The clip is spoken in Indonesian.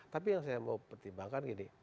tapi yang saya mau pertimbangkan gini